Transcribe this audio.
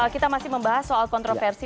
kita masih membahas soal kontroversi